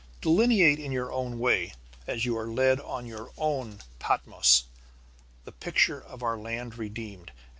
Delineate in your own way, as you are led on your own Patmos, the picture of our land redeemed.